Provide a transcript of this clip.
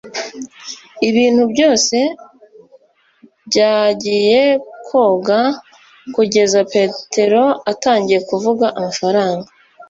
Ibintu byose byagiye koga kugeza Petero atangiye kuvuga amafaranga